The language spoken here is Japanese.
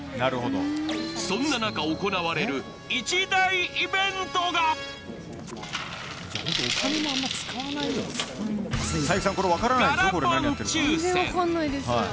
そんな中、行われる一大イベントがガラポン抽選。